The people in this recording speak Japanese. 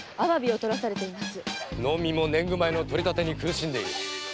農民も年貢米の取り立てに苦しんでいる。